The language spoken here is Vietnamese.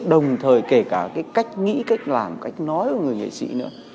đồng thời kể cả cái cách nghĩ cách làm cách nói của người nghệ sĩ nữa